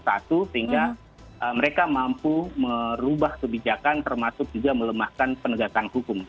sehingga mereka mampu merubah kebijakan termasuk juga melemahkan penegakan hukum